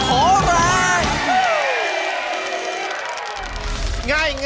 โอบอตตอมหาสนุก